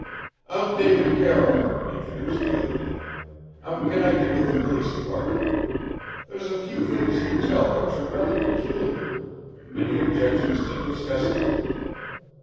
"I'm David Carroll," introduced the other man. "I'm connected with the police department. There's a few things you tell which are rather peculiar. Any objections to discussing them?"